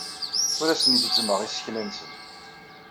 Ur asen-gezzmeɣ isekla-nsen.